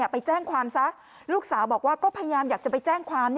ไปแจ้งความซะลูกสาวบอกว่าก็พยายามอยากจะไปแจ้งความ